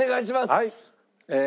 はい。